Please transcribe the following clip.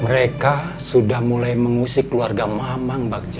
mereka sudah mulai mengusik keluarga mamang bagja